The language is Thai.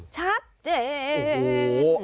ชัดเจ้ง